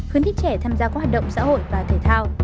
hướng thích trẻ tham gia các hoạt động xã hội và thể thao